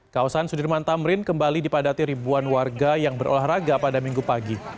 kawasan sudirman tamrin kembali dipadati ribuan warga yang berolahraga pada minggu pagi